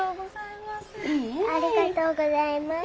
ありがとうございます。